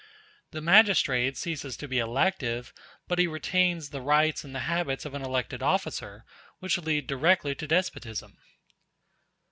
The magistrate ceases to be elective, but he retains the rights and the habits of an elected officer, which lead directly to despotism.